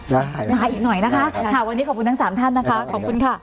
มาอีกหน่อยนะคะค่ะวันนี้ขอบคุณทั้งสามท่านนะคะขอบคุณค่ะ